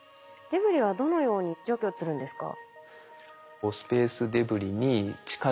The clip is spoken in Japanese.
デブリはどのように除去するんですか？